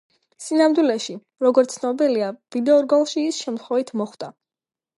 სინამდვილეში, როგორც ცნობილია, ვიდეორგოლში ის შემთხვევით მოხვდა.